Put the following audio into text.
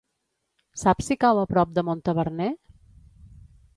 Saps si cau a prop de Montaverner?